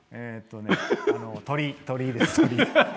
鳥居です。